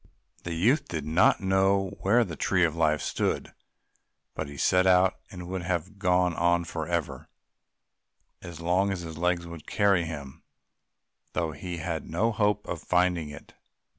The youth did not know where the Tree of Life stood, but he set out, and would have gone on for ever, as long as his legs would carry him, though he had no hope of finding it.